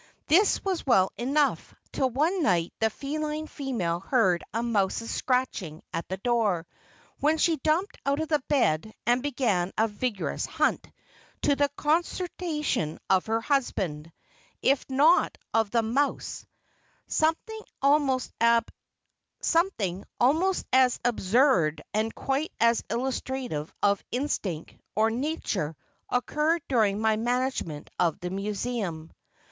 This was well enough, till one night the feline female heard a mouse scratching at the door, when she jumped out of bed and began a vigorous hunt, to the consternation of her husband, if not of the mouse. Something almost as absurd and quite as illustrative of "instinct," or "nature" occurred during my management of the Museum.